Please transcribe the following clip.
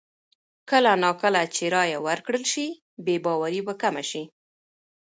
کله نا کله چې رایه ورکړل شي، بې باوري به کمه شي.